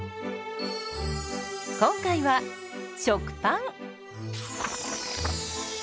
今回は食パン。